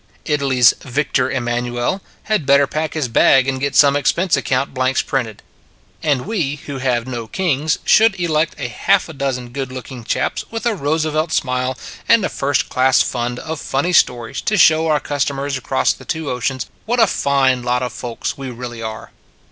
Italy s Victor Em nanuel had better pack his bag and get some expense account blanks printed. And we, who have no kings, should elect a half dozen good looking chaps with a Roosevelt smile and a first class fund of funny stories to show our customers across Watching the Prince II the two oceans what a fine lot of folks we really are.